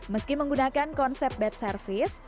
meski menggunakan konsep bed service